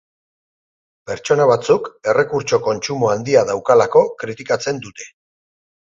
Pertsona batzuk errekurtso kontsumo handia daukalako kritikatzen dute.